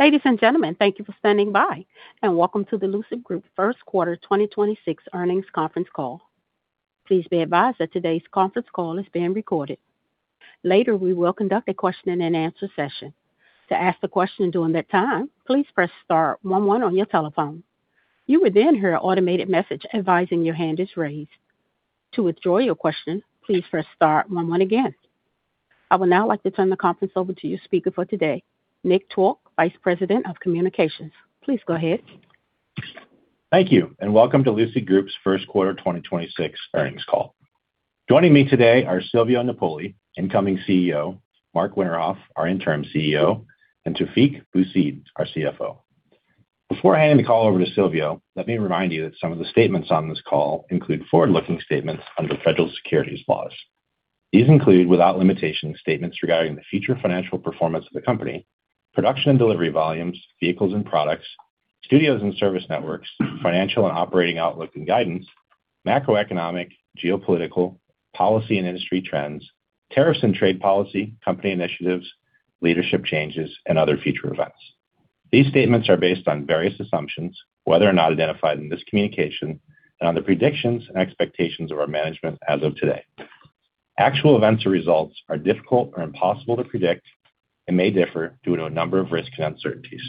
Ladies and gentlemen, thank you for standing by, and welcome to the Lucid Group first quarter 2026 earnings conference call. Please be advised that today's conference call is being recorded. Later, we will conduct a question and answer session. I would now like to turn the conference over to your speaker for today, Nick Twork, Vice President of Communications. Please go ahead. Thank you. Welcome to Lucid Group's first quarter 2026 earnings call. Joining me today are Silvio Napoli, incoming CEO, Marc Winterhoff, our interim CEO, and Taoufiq Boussaid, our CFO. Before I hand the call over to Silvio, let me remind you that some of the statements on this call include forward-looking statements under federal securities laws. These include, without limitation, statements regarding the future financial performance of the company, production and delivery volumes, vehicles and products, studios and service networks, financial and operating outlook and guidance, macroeconomic, geopolitical, policy and industry trends, tariffs and trade policy, company initiatives, leadership changes, and other future events. These statements are based on various assumptions, whether or not identified in this communication, and on the predictions and expectations of our management as of today. Actual events or results are difficult or impossible to predict and may differ due to a number of risks and uncertainties.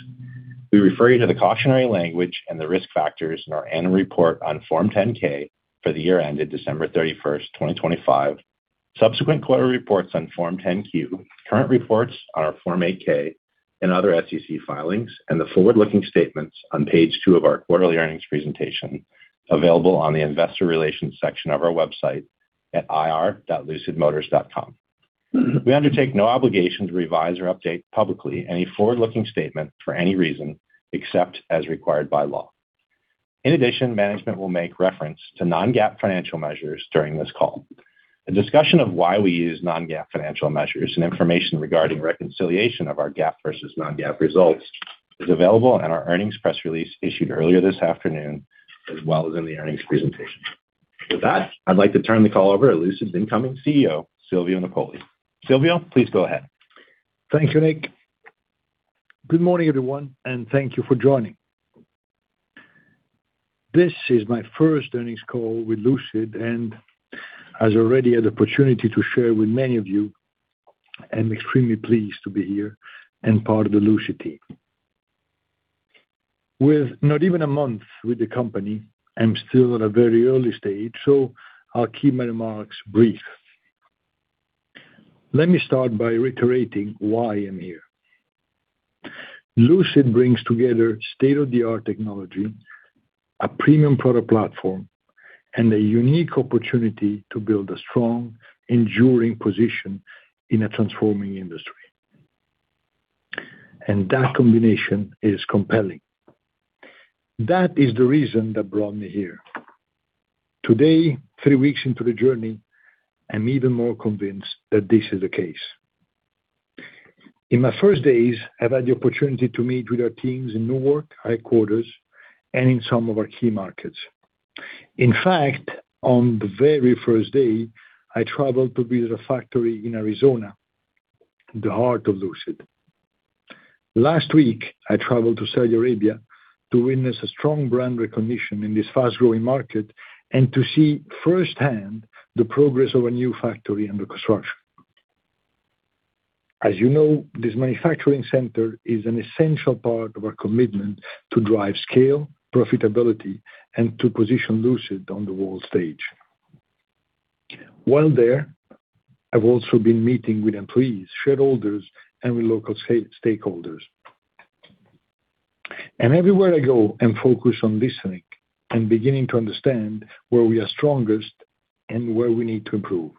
We refer you to the cautionary language and the risk factors in our annual report on Form 10-K for the year ended December 31st, 2025, subsequent quarterly reports on Form 10-Q, current reports on our Form 8-K and other SEC filings, and the forward-looking statements on page 2 of our quarterly earnings presentation available on the investor relations section of our website at ir.lucidmotors.com. We undertake no obligation to revise or update publicly any forward-looking statement for any reason except as required by law. In addition, management will make reference to non-GAAP financial measures during this call. A discussion of why we use non-GAAP financial measures and information regarding reconciliation of our GAAP versus non-GAAP results is available on our earnings press release issued earlier this afternoon, as well as in the earnings presentation. I'd like to turn the call over to Lucid's incoming CEO, Silvio Napoli. Silvio, please go ahead. Thank you, Nick. Good morning, everyone, and thank you for joining. This is my first earnings call with Lucid, and as I already had the opportunity to share with many of you, I'm extremely pleased to be here and part of the Lucid team. With not even a month with the company, I'm still at a very early stage, so I'll keep my remarks brief. Let me start by reiterating why I'm here. Lucid brings together state-of-the-art technology, a premium product platform, and a unique opportunity to build a strong, enduring position in a transforming industry. That combination is compelling. That is the reason that brought me here. Today, three weeks into the journey, I'm even more convinced that this is the case. In my first days, I've had the opportunity to meet with our teams in Newark headquarters and in some of our key markets. In fact, on the very first day, I traveled to visit a factory in Arizona, the heart of Lucid. Last week, I traveled to Saudi Arabia to witness a strong brand recognition in this fast-growing market and to see firsthand the progress of a new factory under construction. As you know, this manufacturing center is an essential part of our commitment to drive scale, profitability, and to position Lucid on the world stage. While there, I've also been meeting with employees, shareholders, and with local stakeholders. Everywhere I go, I'm focused on listening and beginning to understand where we are strongest and where we need to improve.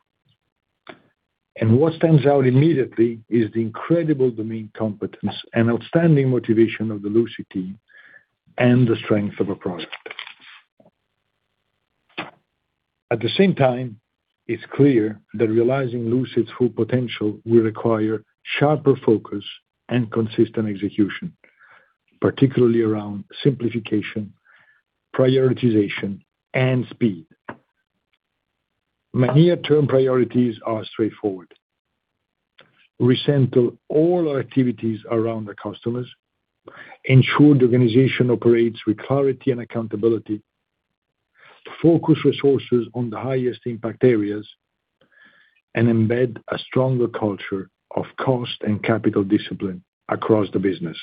What stands out immediately is the incredible domain competence and outstanding motivation of the Lucid team and the strength of our product. At the same time, it's clear that realizing Lucid's full potential will require sharper focus and consistent execution, particularly around simplification, prioritization, and speed. My near-term priorities are straightforward. Recenter all our activities around the customers, ensure the organization operates with clarity and accountability, focus resources on the highest impact areas, and embed a stronger culture of cost and capital discipline across the business.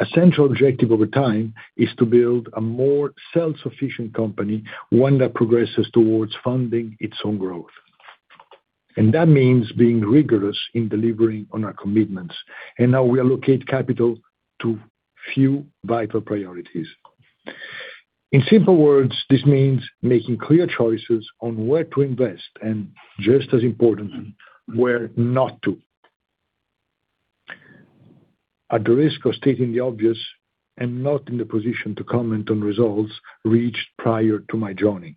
A central objective over time is to build a more self-sufficient company, one that progresses towards funding its own growth. That means being rigorous in delivering on our commitments and how we allocate capital to few vital priorities. In simple words, this means making clear choices on where to invest and, just as importantly, where not to. At the risk of stating the obvious, I'm not in the position to comment on results reached prior to my joining.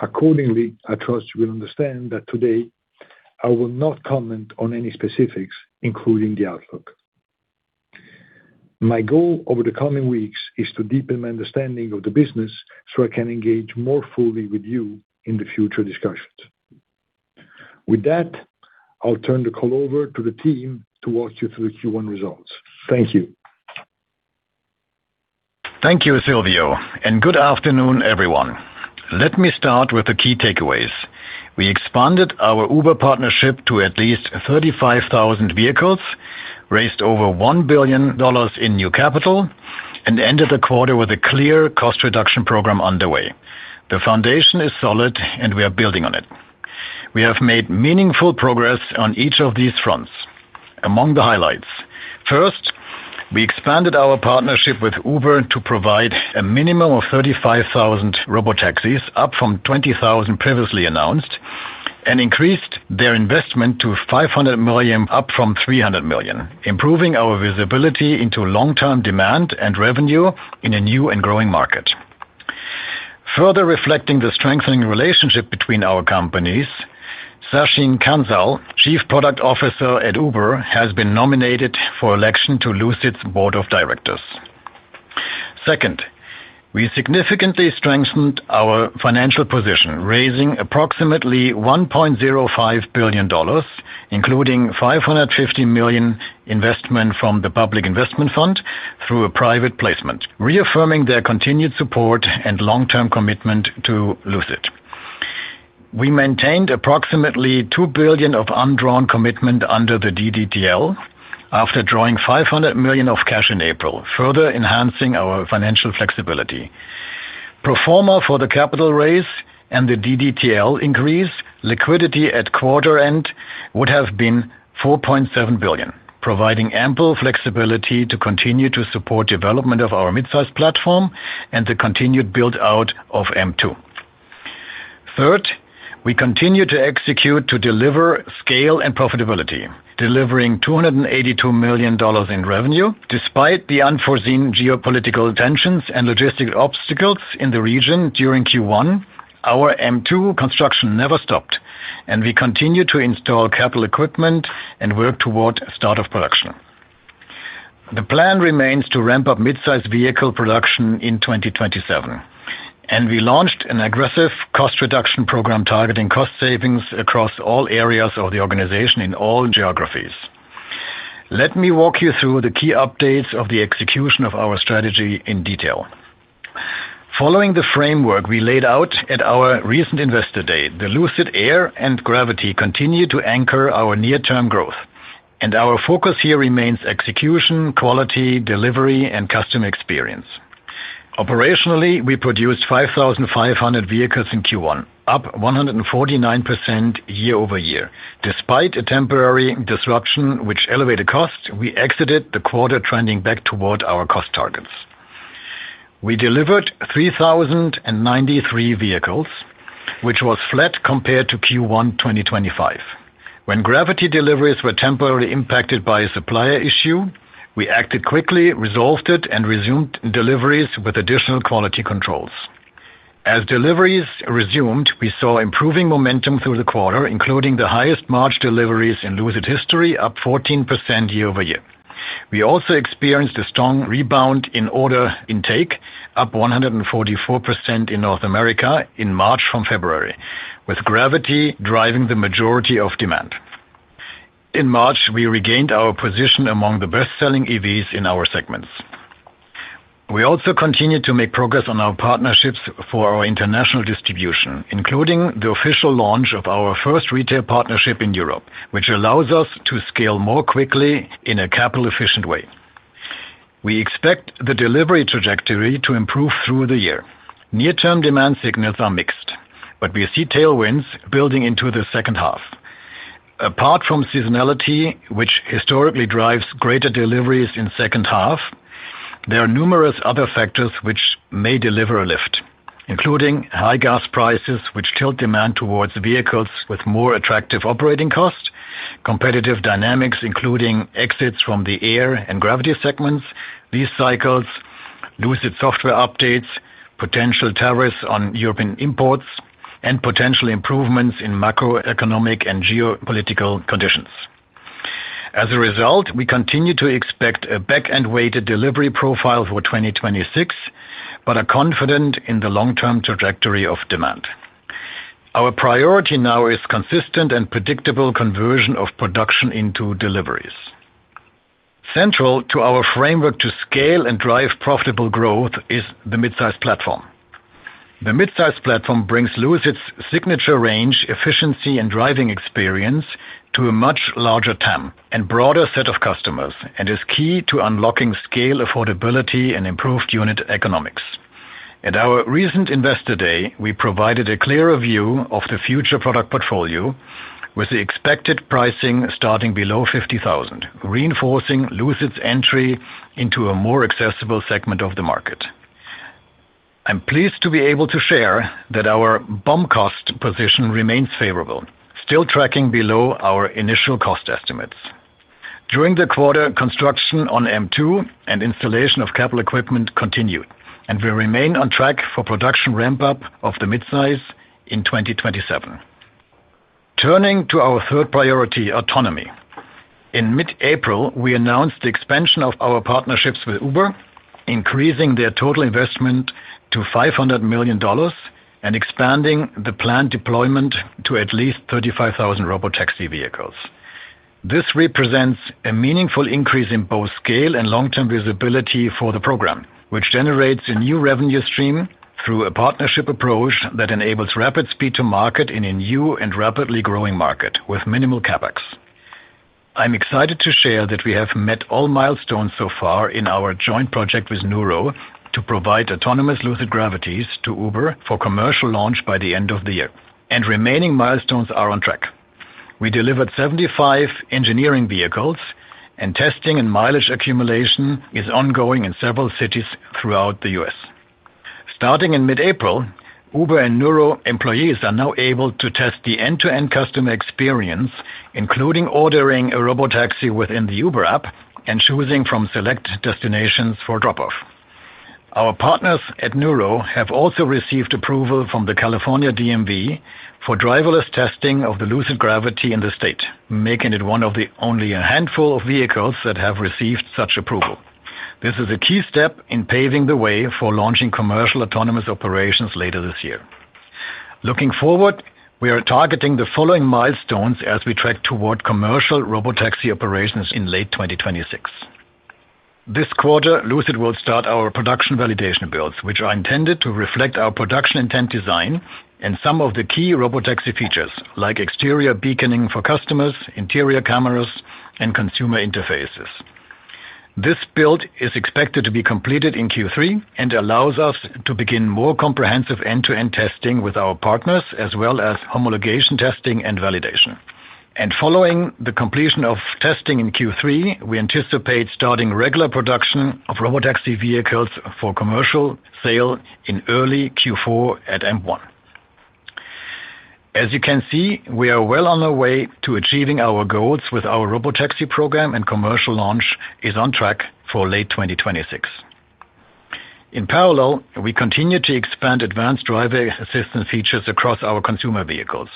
Accordingly, I trust you will understand that today I will not comment on any specifics, including the outlook. My goal over the coming weeks is to deepen my understanding of the business so I can engage more fully with you in the future discussions. With that, I'll turn the call over to the team to walk you through the Q1 results. Thank you. Thank you, Silvio. Good afternoon, everyone. Let me start with the key takeaways. We expanded our Uber partnership to at least 35,000 vehicles, raised over $1 billion in new capital, and ended the quarter with a clear cost reduction program underway. The foundation is solid, and we are building on it. We have made meaningful progress on each of these fronts. Among the highlights, first, we expanded our partnership with Uber to provide a minimum of 35,000 Robotaxis, up from 20,000 previously announced, and increased their investment to $500 million, up from $300 million, improving our visibility into long-term demand and revenue in a new and growing market. Further reflecting the strengthening relationship between our companies, Sachin Kansal, Chief Product Officer at Uber, has been nominated for election to Lucid's Board of Directors. Second, we significantly strengthened our financial position, raising approximately $1.05 billion, including $550 million investment from the Public Investment Fund through a private placement, reaffirming their continued support and long-term commitment to Lucid. We maintained approximately $2 billion of undrawn commitment under the DDTL after drawing $500 million of cash in April, further enhancing our financial flexibility. Pro forma for the capital raise and the DDTL increase, liquidity at quarter end would have been $4.7 billion, providing ample flexibility to continue to support development of our midsize platform and the continued build-out of AMP-2. Third, we continue to execute to deliver scale and profitability, delivering $282 million in revenue. Despite the unforeseen geopolitical tensions and logistical obstacles in the region during Q1, our AMP-2 construction never stopped, and we continue to install capital equipment and work toward start of production. The plan remains to ramp up midsize vehicle production in 2027, and we launched an aggressive cost reduction program targeting cost savings across all areas of the organization in all geographies. Let me walk you through the key updates of the execution of our strategy in detail. Following the framework we laid out at our recent Investor Day, the Lucid Air and Gravity continue to anchor our near-term growth, and our focus here remains execution, quality, delivery, and customer experience. Operationally, we produced 5,500 vehicles in Q1, up 149% year-over-year. Despite a temporary disruption which elevated costs, we exited the quarter trending back toward our cost targets. We delivered 3,093 vehicles, which was flat compared to Q1 2025. When Gravity deliveries were temporarily impacted by a supplier issue, we acted quickly, resolved it, and resumed deliveries with additional quality controls. As deliveries resumed, we saw improving momentum through the quarter, including the highest March deliveries in Lucid history, up 14% year-over-year. We also experienced a strong rebound in order intake, up 144% in North America in March from February, with Gravity driving the majority of demand. In March, we regained our position among the best-selling EVs in our segments. We also continued to make progress on our partnerships for our international distribution, including the official launch of our first retail partnership in Europe, which allows us to scale more quickly in a capital-efficient way. We expect the delivery trajectory to improve through the year. Near-term demand signals are mixed, but we see tailwinds building into the second half. Apart from seasonality, which historically drives greater deliveries in second half, there are numerous other factors which may deliver a lift, including high gas prices, which tilt demand towards vehicles with more attractive operating costs, competitive dynamics, including exits from the Air and Gravity segments, these cycles, Lucid software updates, potential tariffs on European imports, and potential improvements in macroeconomic and geopolitical conditions. As a result, we continue to expect a back-end-weighted delivery profile for 2026, but are confident in the long-term trajectory of demand. Our priority now is consistent and predictable conversion of production into deliveries. Central to our framework to scale and drive profitable growth is the midsize platform. The midsize platform brings Lucid's signature range, efficiency, and driving experience to a much larger TAM and broader set of customers and is key to unlocking scale affordability and improved unit economics. At our recent Investor Day, we provided a clearer view of the future product portfolio with the expected pricing starting below $50,000, reinforcing Lucid's entry into a more accessible segment of the market. I'm pleased to be able to share that our BOM cost position remains favorable, still tracking below our initial cost estimates. During the quarter, construction on AMP-2 and installation of capital equipment continued, and we remain on track for production ramp-up of the midsize in 2027. Turning to our third priority, autonomy. In mid-April, we announced the expansion of our partnerships with Uber, increasing their total investment to $500 million and expanding the planned deployment to at least 35,000 Robotaxi vehicles. This represents a meaningful increase in both scale and long-term visibility for the program, which generates a new revenue stream through a partnership approach that enables rapid speed to market in a new and rapidly growing market with minimal CapEx. I'm excited to share that we have met all milestones so far in our joint project with Nuro to provide autonomous Lucid Gravities to Uber for commercial launch by the end of the year, and remaining milestones are on track. We delivered 75 engineering vehicles, and testing and mileage accumulation is ongoing in several cities throughout the U.S. Starting in mid-April, Uber and Nuro employees are now able to test the end-to-end customer experience, including ordering a Robotaxi within the Uber app and choosing from select destinations for drop-off. Our partners at Nuro have also received approval from the California DMV for driverless testing of the Lucid Gravity in the state, making it one of the only a handful of vehicles that have received such approval. This is a key step in paving the way for launching commercial autonomous operations later this year. Looking forward, we are targeting the following milestones as we track toward commercial Robotaxi operations in late 2026. This quarter, Lucid will start our production validation builds, which are intended to reflect our production intent design and some of the key Robotaxi features like exterior beaconing for customers, interior cameras, and consumer interfaces. This build is expected to be completed in Q3 and allows us to begin more comprehensive end-to-end testing with our partners, as well as homologation testing and validation. Following the completion of testing in Q3, we anticipate starting regular production of Robotaxi vehicles for commercial sale in early Q4 at AMP-1. As you can see, we are well on our way to achieving our goals with our Robotaxi program, and commercial launch is on track for late 2026. In parallel, we continue to expand advanced driver assistance features across our consumer vehicles.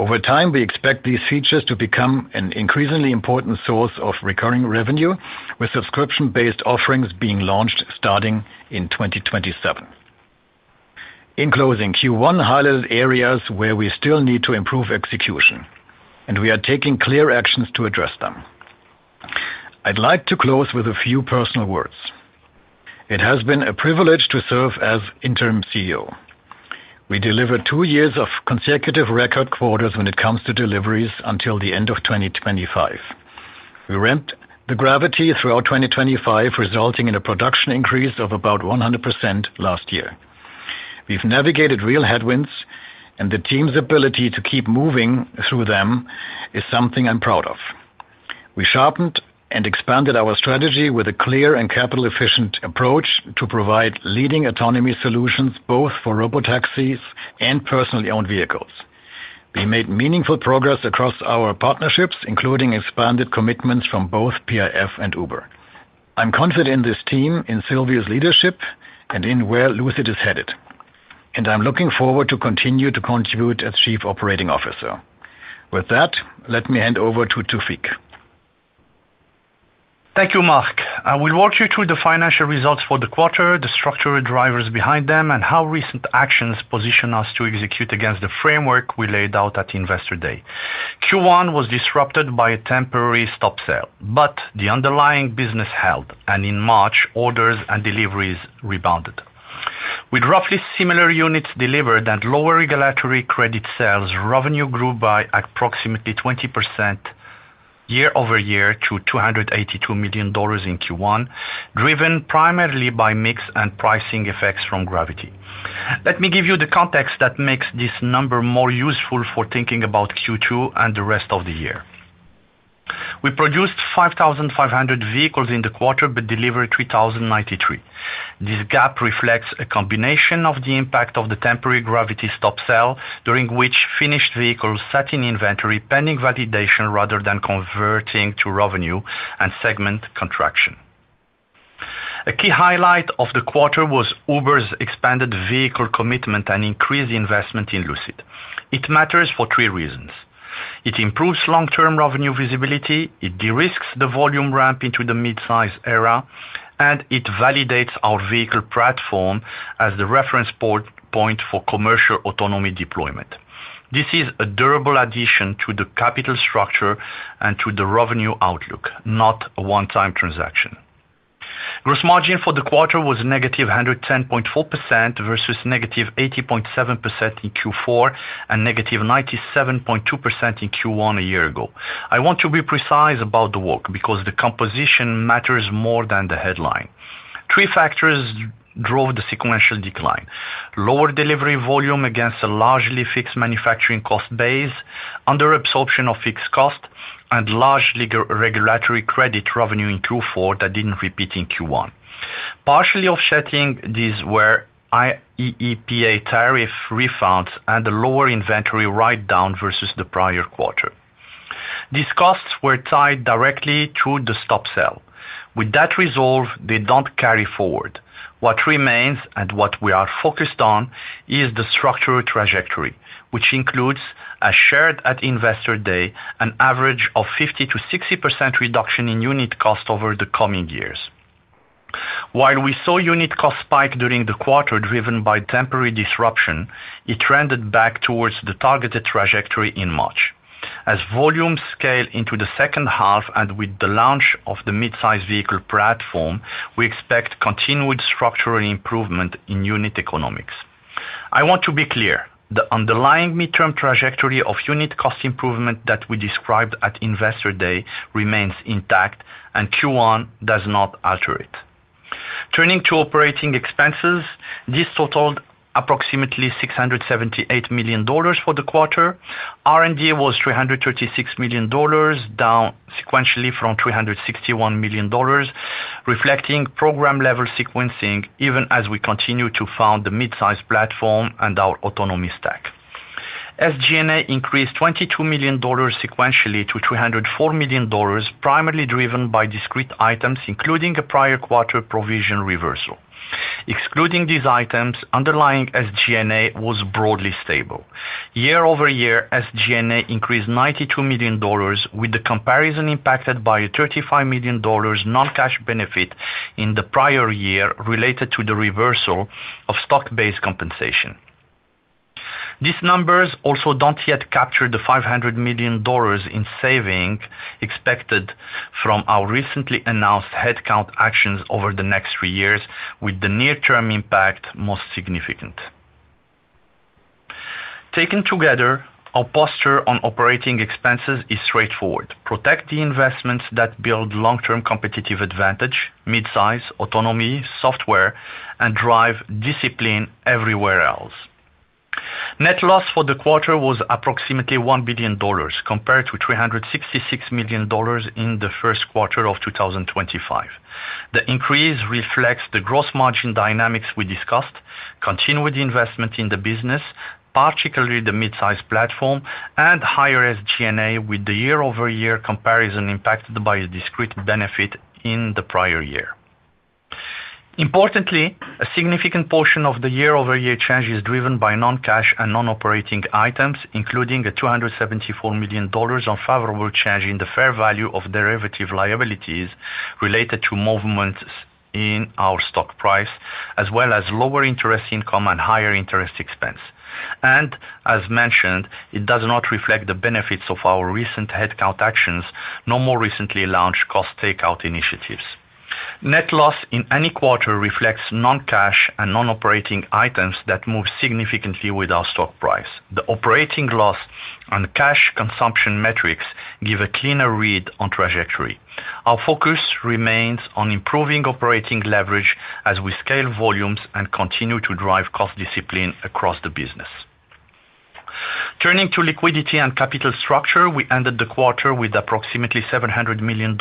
Over time, we expect these features to become an increasingly important source of recurring revenue, with subscription-based offerings being launched starting in 2027. In closing, Q1 highlighted areas where we still need to improve execution, and we are taking clear actions to address them. I'd like to close with a few personal words. It has been a privilege to serve as interim CEO. We delivered two years of consecutive record quarters when it comes to deliveries until the end of 2025. We ramped the Gravity throughout 2025, resulting in a production increase of about 100% last year. We've navigated real headwinds, and the team's ability to keep moving through them is something I'm proud of. We sharpened and expanded our strategy with a clear and capital-efficient approach to provide leading autonomy solutions both for Robotaxis and personally-owned vehicles. We made meaningful progress across our partnerships, including expanded commitments from both PIF and Uber. I'm confident in this team, in Silvio's leadership, and in where Lucid is headed, and I'm looking forward to continue to contribute as chief operating officer. With that, let me hand over to Taoufiq. Thank you, Marc. I will walk you through the financial results for the quarter, the structural drivers behind them, and how recent actions position us to execute against the framework we laid out at Investor Day. Q1 was disrupted by a temporary stop sell, but the underlying business held, and in March, orders and deliveries rebounded. With roughly similar units delivered and lower regulatory credit sales, revenue grew by approximately 20% year-over-year to $282 million in Q1, driven primarily by mix and pricing effects from Gravity. Let me give you the context that makes this number more useful for thinking about Q2 and the rest of the year. We produced 5,500 vehicles in the quarter but delivered 3,093. This gap reflects a combination of the impact of the temporary Gravity stop sell, during which finished vehicles sat in inventory pending validation rather than converting to revenue and segment contraction. A key highlight of the quarter was Uber's expanded vehicle commitment and increased investment in Lucid. It matters for three reasons. It improves long-term revenue visibility, it de-risks the volume ramp into the midsize era, and it validates our vehicle platform as the reference point for commercial autonomy deployment. This is a durable addition to the capital structure and to the revenue outlook, not a one-time transaction. Gross margin for the quarter was -110.4% versus -80.7% in Q4 and -97.2% in Q1 a year ago. I want to be precise about the work because the composition matters more than the headline. Three factors drove the sequential decline: lower delivery volume against a largely fixed manufacturing cost base, under absorption of fixed cost, and large regulatory credit revenue in Q4 that didn't repeat in Q1. Partially offsetting these were IEEPA tariff refunds and a lower inventory write-down versus the prior quarter. These costs were tied directly to the stop sell. With that resolve, they don't carry forward. What remains, and what we are focused on, is the structural trajectory, which includes, as shared at Investor Day, an average of 50%-60% reduction in unit cost over the coming years. While we saw unit cost spike during the quarter driven by temporary disruption, it trended back towards the targeted trajectory in March. As volumes scale into the second half and with the launch of the midsize vehicle platform, we expect continued structural improvement in unit economics. I want to be clear, the underlying midterm trajectory of unit cost improvement that we described at Investor Day remains intact. Q1 does not alter it. Turning to operating expenses, this totaled approximately $678 million for the quarter. R&D was $336 million, down sequentially from $361 million, reflecting program-level sequencing even as we continue to fund the midsize platform and our autonomy stack. SG&A increased $22 million sequentially to $304 million, primarily driven by discrete items, including a prior quarter provision reversal. Excluding these items, underlying SG&A was broadly stable. Year-over-year, SG&A increased $92 million, with the comparison impacted by a $35 million non-cash benefit in the prior year related to the reversal of stock-based compensation. These numbers also don't yet capture the $500 million in saving expected from our recently announced headcount actions over the next three years, with the near-term impact most significant. Taken together, our posture on operating expenses is straightforward: protect the investments that build long-term competitive advantage, midsize, autonomy, software, and drive discipline everywhere else. Net loss for the quarter was approximately $1 billion compared to $366 million in the first quarter of 2025. The increase reflects the gross margin dynamics we discussed, continued investment in the business, particularly the midsize platform, and higher SG&A, with the year-over-year comparison impacted by a discrete benefit in the prior year. A significant portion of the year-over-year change is driven by non-cash and non-operating items, including a $274 million unfavorable change in the fair value of derivative liabilities related to movements in our stock price, as well as lower interest income and higher interest expense. As mentioned, it does not reflect the benefits of our recent headcount actions, nor more recently launched cost takeout initiatives. Net loss in any quarter reflects non-cash and non-operating items that move significantly with our stock price. The operating loss and cash consumption metrics give a cleaner read on trajectory. Our focus remains on improving operating leverage as we scale volumes and continue to drive cost discipline across the business. Turning to liquidity and capital structure, we ended the quarter with approximately $700 million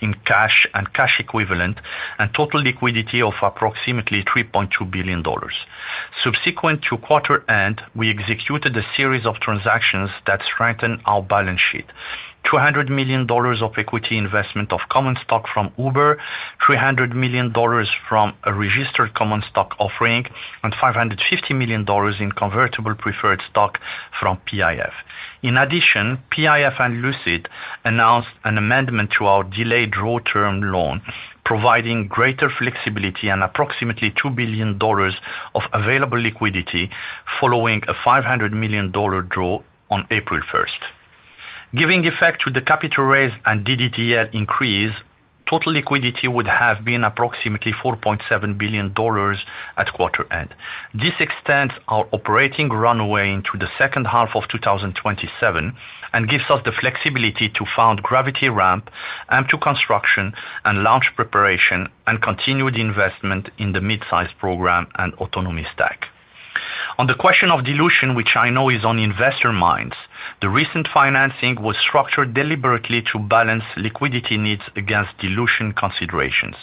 in cash and cash equivalent and total liquidity of approximately $3.2 billion. Subsequent to quarter end, we executed a series of transactions that strengthen our balance sheet. $200 million of equity investment of common stock from Uber, $300 million from a registered common stock offering, and $550 million in convertible preferred stock from PIF. In addition, PIF and Lucid announced an amendment to our delayed draw term loan, providing greater flexibility and approximately $2 billion of available liquidity following a $500 million draw on April 1st. Giving effect to the capital raise and DDTL increase, total liquidity would have been approximately $4.7 billion at quarter end. This extends our operating runway into the second half of 2027 and gives us the flexibility to fund Gravity ramp, AMP-2 construction, and launch preparation, and continued investment in the midsize program and autonomy stack. On the question of dilution, which I know is on investor minds, the recent financing was structured deliberately to balance liquidity needs against dilution considerations.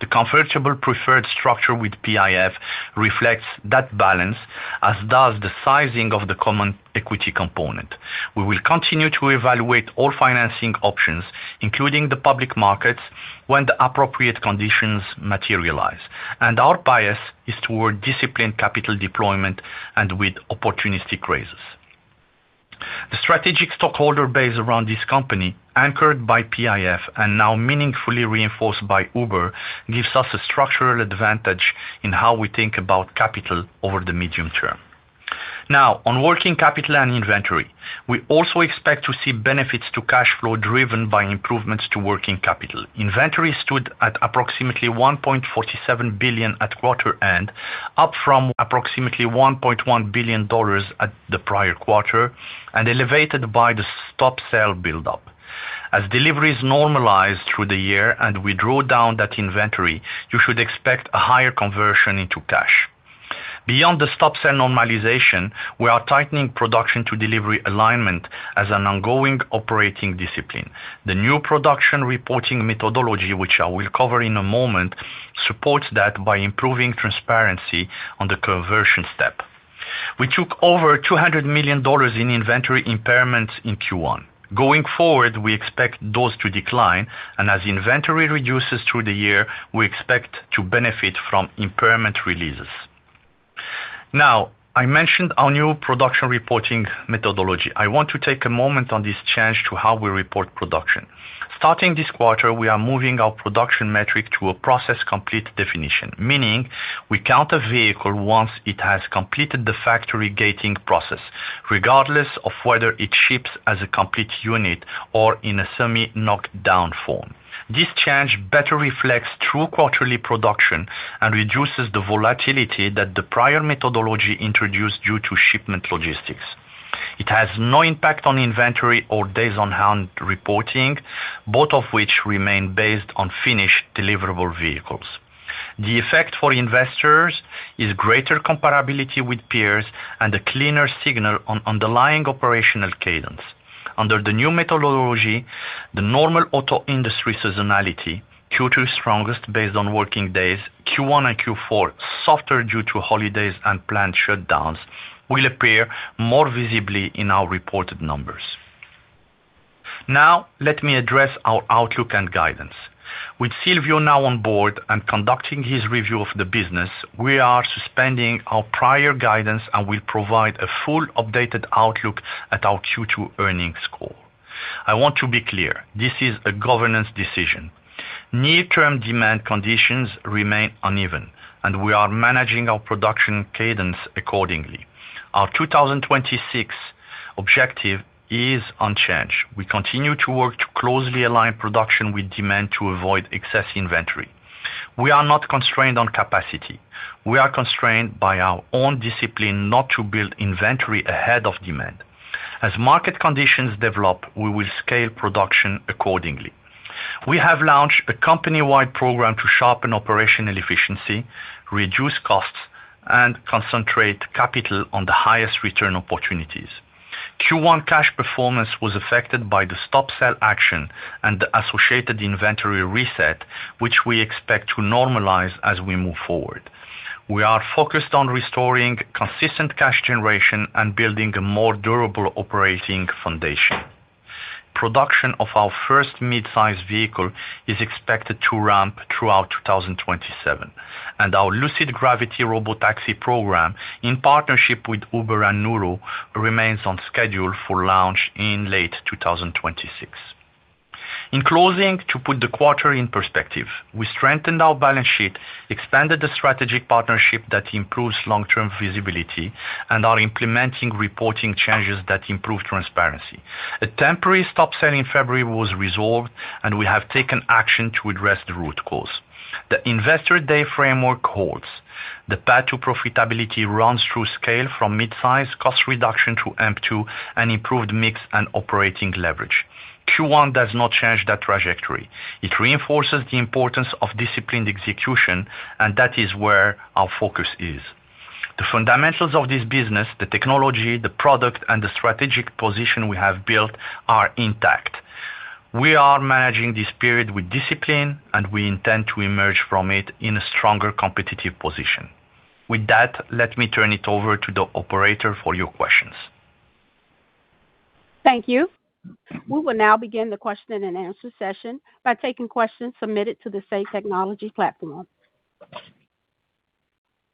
The convertible preferred structure with PIF reflects that balance, as does the sizing of the common equity component. We will continue to evaluate all financing options, including the public markets, when the appropriate conditions materialize, and our bias is toward disciplined capital deployment and with opportunistic raises. The strategic stockholder base around this company, anchored by PIF and now meaningfully reinforced by Uber, gives us a structural advantage in how we think about capital over the medium term. On working capital and inventory, we also expect to see benefits to cash flow driven by improvements to working capital. Inventory stood at approximately $1.47 billion at quarter-end, up from approximately $1.1 billion at the prior quarter and elevated by the stop sell buildup. Deliveries normalize through the year and we draw down that inventory, you should expect a higher conversion into cash. Beyond the stop sell normalization, we are tightening production to delivery alignment as an ongoing operating discipline. The new production reporting methodology, which I will cover in a moment, supports that by improving transparency on the conversion step. We took over $200 million in inventory impairments in Q1. Going forward, we expect those to decline, as inventory reduces through the year, we expect to benefit from impairment releases. I mentioned our new production reporting methodology. I want to take a moment on this change to how we report production. Starting this quarter, we are moving our production metric to a process complete definition, meaning we count a vehicle once it has completed the factory gating process, regardless of whether it ships as a complete unit or in a semi-knocked down form. This change better reflects true quarterly production and reduces the volatility that the prior methodology introduced due to shipment logistics. It has no impact on inventory or days on hand reporting, both of which remain based on finished deliverable vehicles. The effect for investors is greater comparability with peers and a cleaner signal on underlying operational cadence. Under the new methodology, the normal auto industry seasonality, Q2 strongest based on working days, Q1 and Q4 softer due to holidays and plant shutdowns, will appear more visibly in our reported numbers. Now let me address our outlook and guidance. With Silvio now on board and conducting his review of the business, we are suspending our prior guidance and will provide a full updated outlook at our Q2 earnings call. I want to be clear, this is a governance decision. Near-term demand conditions remain uneven, and we are managing our production cadence accordingly. Our 2026 objective is unchanged. We continue to work to closely align production with demand to avoid excess inventory. We are not constrained on capacity. We are constrained by our own discipline not to build inventory ahead of demand. As market conditions develop, we will scale production accordingly. We have launched a company-wide program to sharpen operational efficiency, reduce costs, and concentrate capital on the highest return opportunities. Q1 cash performance was affected by the stop sell action and the associated inventory reset, which we expect to normalize as we move forward. We are focused on restoring consistent cash generation and building a more durable operating foundation. Production of our first midsize vehicle is expected to ramp throughout 2027, and our Lucid Gravity Robotaxi program in partnership with Uber and Nuro remains on schedule for launch in late 2026. In closing, to put the quarter in perspective, we strengthened our balance sheet, expanded the strategic partnership that improves long-term visibility, and are implementing reporting changes that improve transparency. A temporary stop sell in February was resolved, and we have taken action to address the root cause. The Investor Day framework holds. The path to profitability runs through scale from midsize cost reduction through AMP-2 and improved mix and operating leverage. Q1 does not change that trajectory. It reinforces the importance of disciplined execution, and that is where our focus is. The fundamentals of this business, the technology, the product, and the strategic position we have built are intact. We are managing this period with discipline, and we intend to emerge from it in a stronger competitive position. With that, let me turn it over to the operator for your questions. Thank you. We will now begin the question-and-answer session by taking questions submitted to the Say Technologies platform.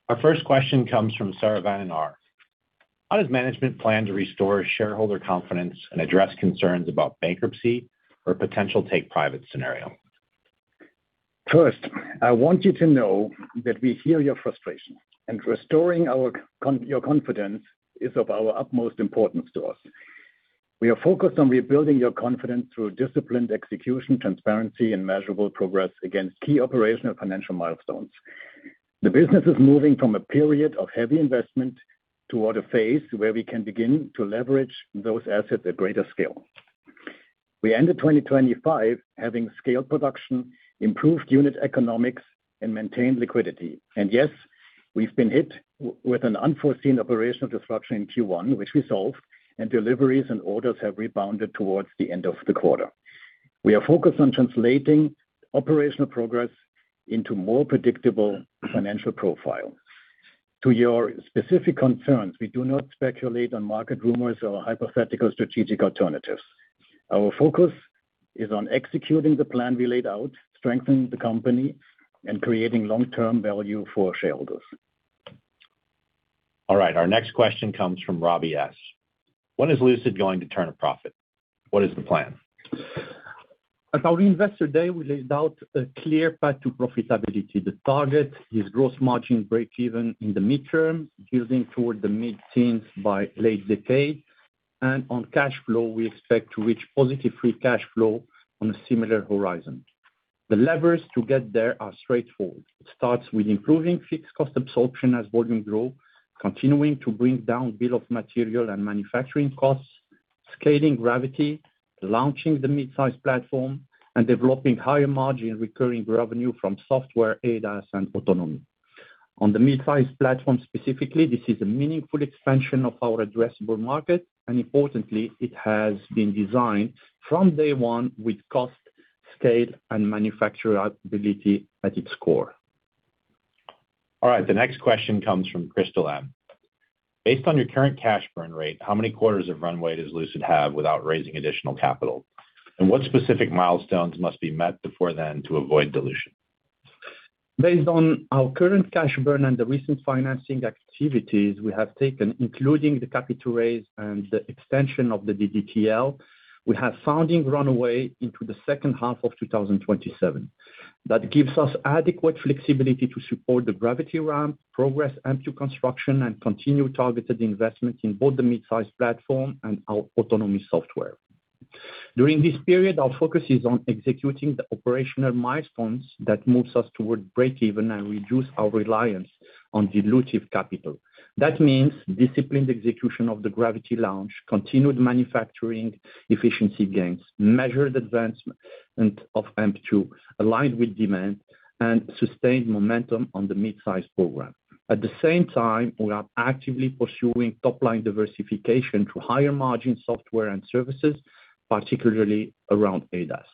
Our first question comes from Saravanan R. How does management plan to restore shareholder confidence and address concerns about bankruptcy or potential take-private scenario? First, I want you to know that we hear your frustration, and restoring your confidence is of our utmost importance to us. We are focused on rebuilding your confidence through disciplined execution, transparency, and measurable progress against key operational financial milestones. The business is moving from a period of heavy investment toward a phase where we can begin to leverage those assets at greater scale. We ended 2025 having scaled production, improved unit economics, and maintained liquidity. Yes, we've been hit with an unforeseen operational disruption in Q1, which we solved, and deliveries and orders have rebounded towards the end of the quarter. We are focused on translating operational progress into more predictable financial profile. To your specific concerns, we do not speculate on market rumors or hypothetical strategic alternatives. Our focus is on executing the plan we laid out, strengthening the company, and creating long-term value for shareholders. All right, our next question comes from Robbie S. When is Lucid going to turn a profit? What is the plan? At our Investor Day, we laid out a clear path to profitability. The target is gross margin breakeven in the midterm, building toward the mid-teens by late decade. On cash flow, we expect to reach positive free cash flow on a similar horizon. The levers to get there are straightforward. It starts with improving fixed cost absorption as volume grow, continuing to bring down bill of material and manufacturing costs, scaling Lucid Gravity, launching the mid-size platform, and developing higher margin recurring revenue from software ADAS and autonomy. On the mid-size platform specifically, this is a meaningful expansion of our addressable market, and importantly, it has been designed from day 1 with cost, scale and manufacturability at its core. All right, the next question comes from Crystal M. Based on your current cash burn rate, how many quarters of runway does Lucid have without raising additional capital? What specific milestones must be met before then to avoid dilution? Based on our current cash burn and the recent financing activities we have taken, including the capital raise and the extension of the DDTL, we have founding runway into the second half of 2027. That gives us adequate flexibility to support the Gravity ramp, progress AMP-2 construction, and continue targeted investment in both the midsize platform and our autonomy software. During this period, our focus is on executing the operational milestones that moves us toward breakeven and reduce our reliance on dilutive capital. That means disciplined execution of the Gravity launch, continued manufacturing efficiency gains, measured advancement of AMP-2 aligned with demand, and sustained momentum on the midsize program. At the same time, we are actively pursuing top-line diversification to higher margin software and services, particularly around ADAS.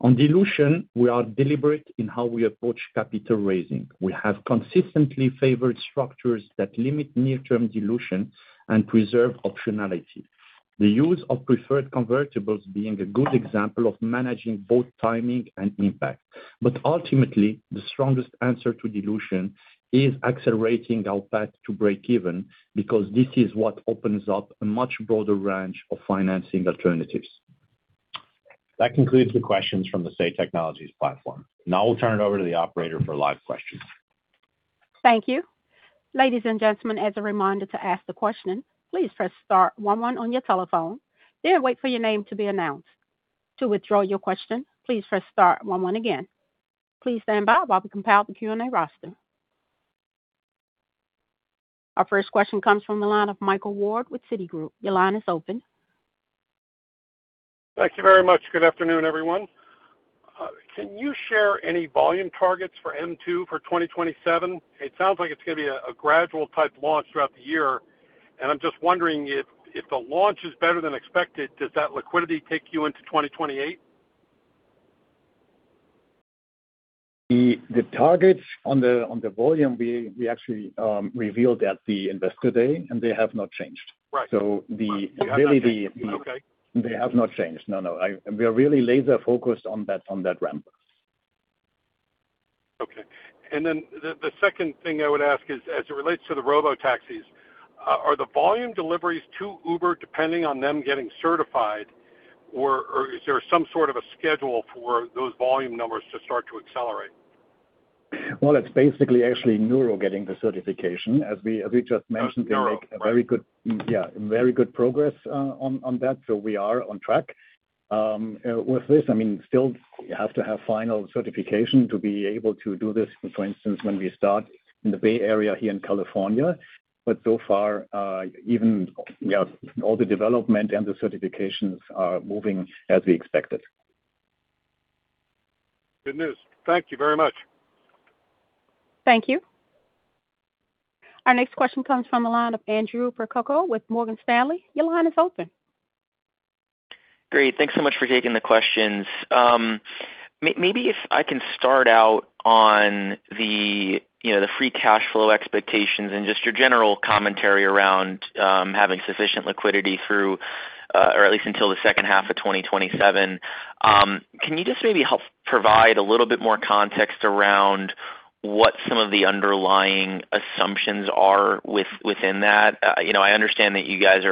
On dilution, we are deliberate in how we approach capital raising. We have consistently favored structures that limit near-term dilution and preserve optionality. The use of preferred convertibles being a good example of managing both timing and impact. Ultimately, the strongest answer to dilution is accelerating our path to breakeven because this is what opens up a much broader range of financing alternatives. That concludes the questions from the Say Technologies platform. We'll turn it over to the operator for live questions. Thank you. Ladies and gentlemen, as a reminder to ask the question, please press star one one on your telephone, then wait for your name to be announced. To withdraw your question, please press star one one again. Please stand by while we compile the Q&A roster. Our first question comes from the line of Michael Ward with Citigroup. Your line is open. Thank you very much. Good afternoon, everyone. Can you share any volume targets for AMP-2 for 2027? It sounds like it's gonna be a gradual type launch throughout the year, and I'm just wondering if the launch is better than expected, does that liquidity take you into 2028? The targets on the volume we actually revealed at the Investor Day, and they have not changed. Right. So the- They have not changed. Okay. They have not changed. No, no. We are really laser-focused on that ramp. Okay. The second thing I would ask is, as it relates to the Robotaxis, are the volume deliveries to Uber depending on them getting certified or is there some sort of a schedule for those volume numbers to start to accelerate? Well, it's basically actually Nuro getting the certification. As we just mentioned. That's Nuro. Right? They make a very good progress on that. We are on track. With this, I mean, still you have to have final certification to be able to do this, for instance, when we start in the Bay Area here in California. So far, all the development and the certifications are moving as we expected. Good news. Thank you very much. Thank you. Our next question comes from the line of Andrew Percoco with Morgan Stanley. Great. Thanks so much for taking the questions. Maybe if I can start out on the, you know, the free cash flow expectations and just your general commentary around having sufficient liquidity through or at least until the second half of 2027. Can you just maybe help provide a little bit more context around what some of the underlying assumptions are within that? You know, I understand that you guys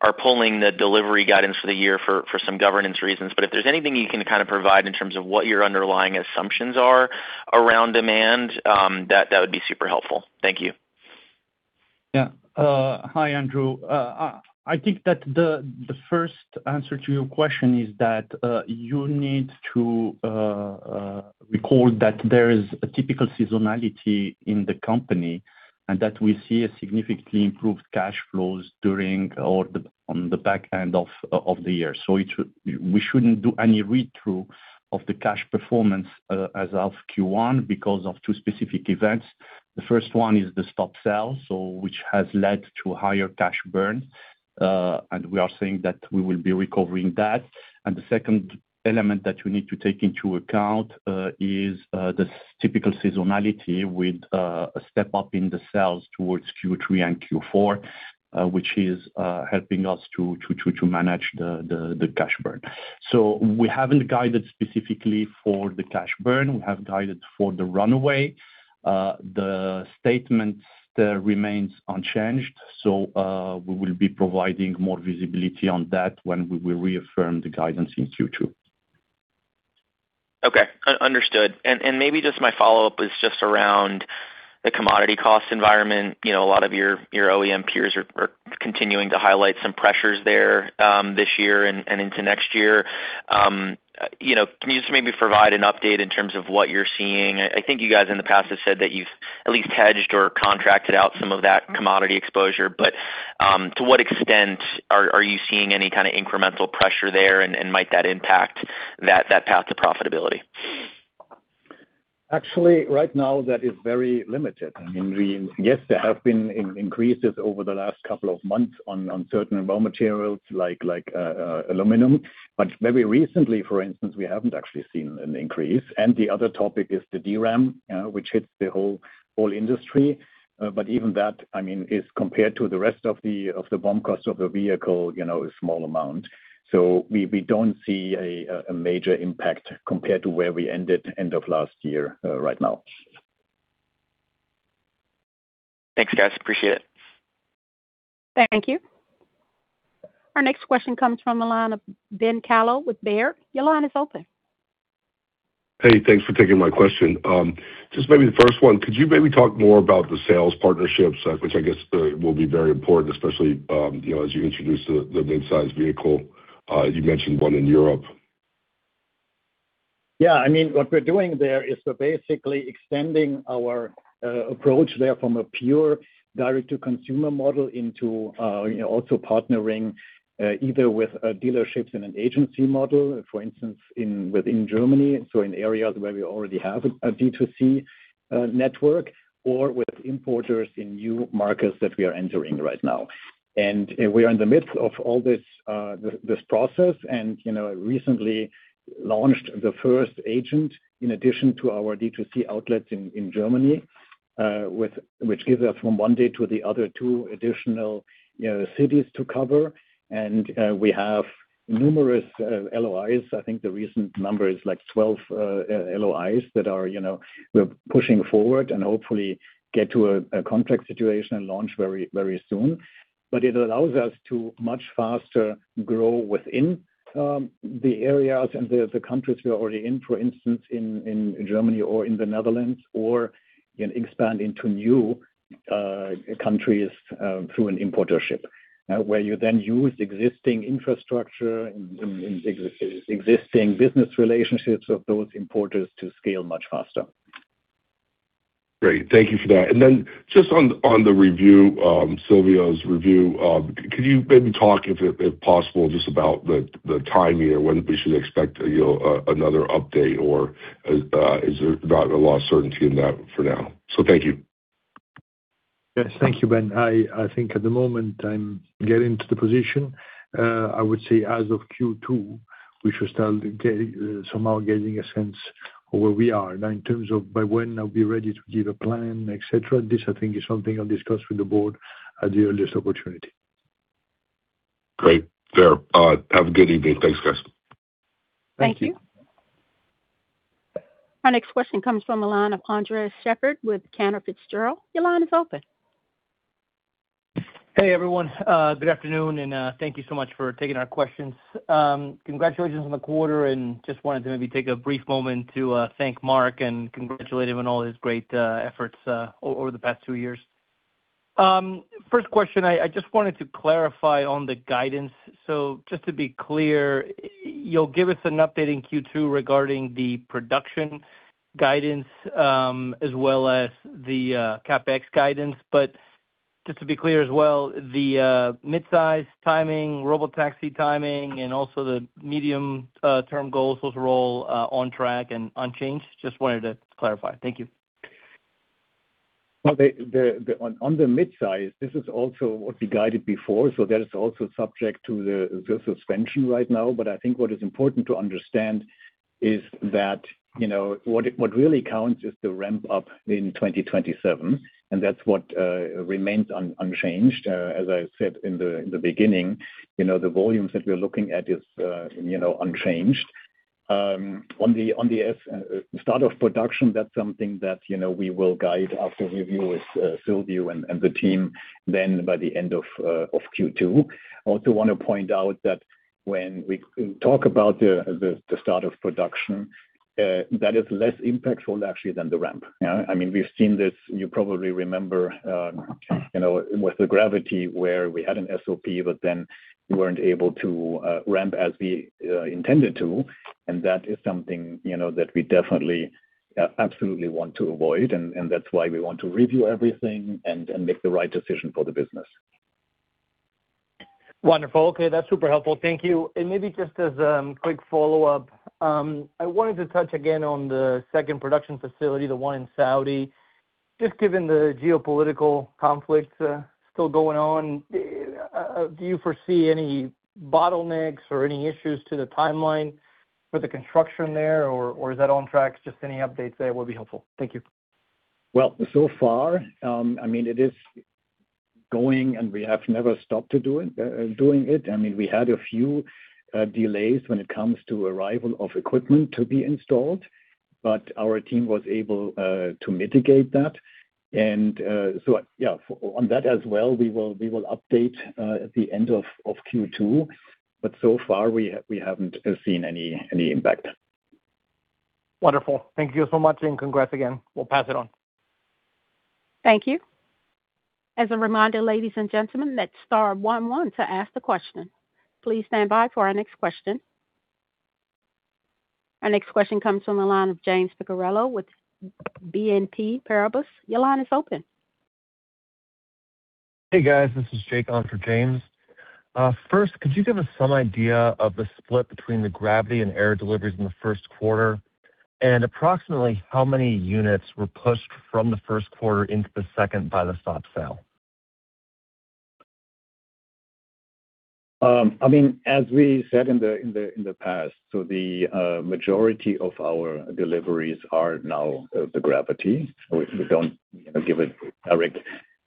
are pulling the delivery guidance for the year for some governance reasons, but if there's anything you can kind of provide in terms of what your underlying assumptions are around demand, that would be super helpful. Thank you. Hi, Andrew. I think that the first answer to your question is that you need to recall that there is a typical seasonality in the company, and that we see a significantly improved cash flows during or the, on the back end of the year. We shouldn't do any read-through of the cash performance as of Q1 because of two specific events. The first one is the stop sell, which has led to higher cash burn, and we are saying that we will be recovering that. The second element that you need to take into account is the typical seasonality with a step-up in the sales towards Q3 and Q4, which is helping us to manage the cash burn. We haven't guided specifically for the cash burn. We have guided for the runway. The statement remains unchanged, so we will be providing more visibility on that when we will reaffirm the guidance in Q2. Okay. Understood. Maybe just my follow-up is just around the commodity cost environment. You know, a lot of your OEM peers are continuing to highlight some pressures there this year and into next year. You know, can you just maybe provide an update in terms of what you're seeing? I think you guys in the past have said that you've at least hedged or contracted out some of that commodity exposure. To what extent are you seeing any kind of incremental pressure there and might that impact that path to profitability? Actually, right now that is very limited. I mean, Yes, there have been increases over the last couple of months on certain raw materials like aluminum. Very recently, for instance, we haven't actually seen an increase. The other topic is the DRAM, which hits the whole industry. Even that, I mean, is compared to the rest of the BOM cost of the vehicle, you know, a small amount. We don't see a major impact compared to where we ended end of last year right now. Thanks, guys. Appreciate it. Thank you. Our next question comes from the line of Ben Kallo with Baird. Your line is open. Hey, thanks for taking my question. Just maybe the first one, could you maybe talk more about the sales partnerships, which I guess will be very important, especially as you introduce the midsize vehicle. You mentioned one in Europe. Yeah. I mean, what we're doing there is we're basically extending our approach there from a pure direct-to-consumer model into, you know, also partnering either with dealerships in an agency model, for instance, within Germany, so in areas where we already have a D2C network, or with importers in new markets that we are entering right now. We are in the midst of all this process and, you know, recently launched the first agent in addition to our D2C outlets in Germany, which gives us from one day to the other two additional, you know, cities to cover. We have numerous LOIs. I think the recent number is, like, 12 LOIs that are, you know, we're pushing forward and hopefully get to a contract situation and launch very, very soon. It allows us to much faster grow within, the areas and the countries we are already in, for instance, in Germany or in the Netherlands, or, you know, expand into new countries, through an importership, where you then use existing infrastructure and existing business relationships of those importers to scale much faster. Great. Thank you for that. Just on the review, Silvio's review, could you maybe talk if possible, just about the timing and when we should expect, you know, another update? Or, is there not a lot of certainty in that for now? Thank you. Yes. Thank you, Ben. I think at the moment I'm getting to the position. I would say as of Q2, we should start somehow getting a sense of where we are. In terms of by when I'll be ready to give a plan, et cetera, this I think is something I'll discuss with the board at the earliest opportunity. Great. Fair. Have a good evening. Thanks, guys. Thank you. Thank you. Our next question comes from the line of Andres Sheppard with Cantor Fitzgerald. Your line is open. Hey, everyone. Good afternoon, thank you so much for taking our questions. Congratulations on the quarter. Just wanted to maybe take a brief moment to thank Marc and congratulate him on all his great efforts over the past two years. First question, I just wanted to clarify on the guidance. Just to be clear, you'll give us an update in Q2 regarding the production guidance, as well as the CapEx guidance. Just to be clear as well, the midsize timing, Robotaxi timing, and also the medium term goals, those are all on track and unchanged? Just wanted to clarify. Thank you. On the midsize, this is also what we guided before, so that is also subject to the suspension right now. I think what is important to understand is that, you know, what really counts is the ramp up in 2027, and that's what remains unchanged. As I said in the beginning, you know, the volumes that we're looking at is, you know, unchanged. On the start of production, that's something that, you know, we will guide after review with Silvio and the team then by the end of Q2. I also want to point out that when we talk about the start of production, that is less impactful actually than the ramp. Yeah. I mean, we've seen this, you probably remember, you know, with the Gravity where we had an SOP, but then we weren't able to ramp as we intended to. That is something, you know, that we definitely absolutely want to avoid, and that's why we want to review everything and make the right decision for the business. Wonderful. Okay. That's super helpful. Thank you. Maybe just as a quick follow-up, I wanted to touch again on the second production facility, the one in Saudi. Just given the geopolitical conflict still going on, do you foresee any bottlenecks or any issues to the timeline for the construction there, or is that on track? Just any updates there will be helpful. Thank you. Well, so far, I mean, it is going, and we have never stopped doing it. I mean, we had a few delays when it comes to arrival of equipment to be installed, but our team was able to mitigate that. Yeah, on that as well, we will update at the end of Q2, but so far we haven't seen any impact. Wonderful. Thank you so much, and congrats again. We'll pass it on. Thank you. As a reminder, ladies and gentlemen, that's star one one to ask the question. Please stand by for our next question. Our next question comes from the line of James Picariello with BNP Paribas. Your line is open. Hey guys, this is Jake on for James. First, could you give us some idea of the split between the Gravity and Air deliveries in the first quarter? Approximately how many units were pushed from the first quarter into the second by the stop sell? I mean, as we said in the past, the majority of our deliveries are now the Gravity. We don't, you know, give a direct,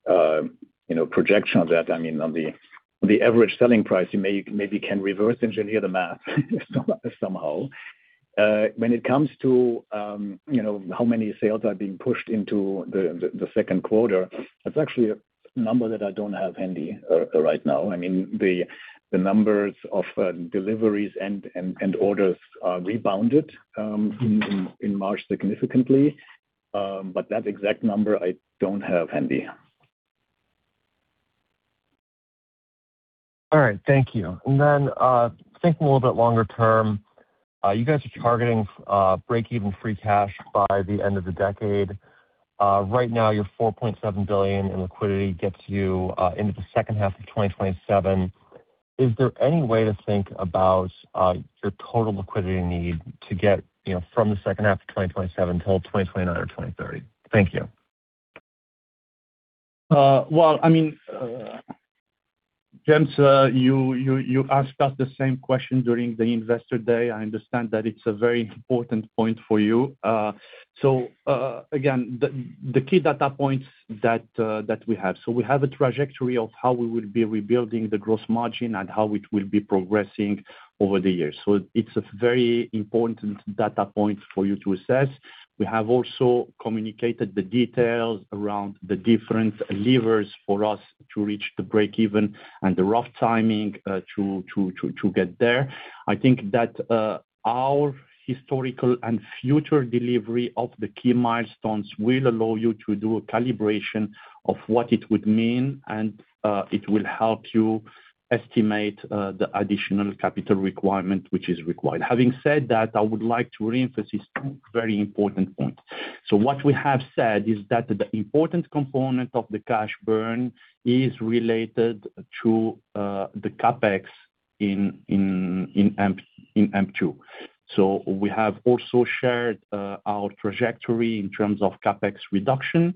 you know, projection on that. I mean, on the average selling price, maybe can reverse engineer the math somehow. When it comes to, you know, how many sales are being pushed into the second quarter, that's actually a number that I don't have handy, right now. I mean, the numbers of deliveries and orders are rebounded, in March significantly. That exact number I don't have handy. All right. Thank you. Then, thinking a little bit longer term, you guys are targeting break-even free cash by the end of the decade. Right now, your $4.7 billion in liquidity gets you into the second half of 2027. Is there any way to think about your total liquidity need to get, you know, from the second half of 2027 till 2029 or 2030? Thank you. Well, I mean, James, you asked us the same question during the Investor Day. I understand that it's a very important point for you. Again, the key data points that we have. We have a trajectory of how we will be rebuilding the gross margin and how it will be progressing over the years. It's a very important data point for you to assess. We have also communicated the details around the different levers for us to reach the break-even and the rough timing to get there. I think that our historical and future delivery of the key milestones will allow you to do a calibration of what it would mean, and it will help you estimate the additional capital requirement which is required. Having said that, I would like to re-emphasize two very important points. What we have said is that the important component of the cash burn is related to the CapEx in AMP-2. We have also shared our trajectory in terms of CapEx reduction.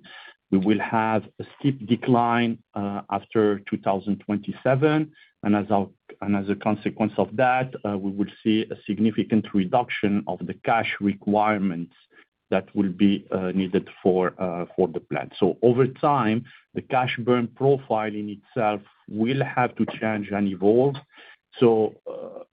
We will have a steep decline after 2027, and as a consequence of that, we will see a significant reduction of the cash requirements that will be needed for the plan. Over time, the cash burn profile in itself will have to change and evolve.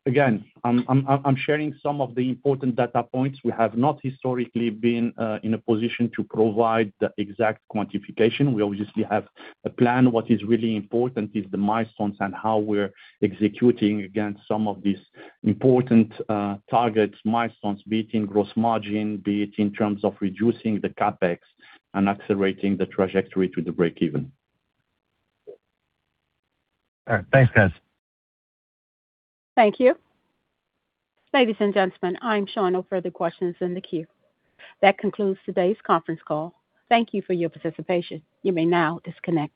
Again, I'm sharing some of the important data points. We have not historically been in a position to provide the exact quantification. We obviously have a plan. What is really important is the milestones and how we're executing against some of these important targets, milestones, be it in gross margin, be it in terms of reducing the CapEx and accelerating the trajectory to the break-even. All right. Thanks, guys. Thank you. Ladies and gentlemen, I am showing no further questions in the queue. That concludes today's conference call. Thank you for your participation. You may now disconnect.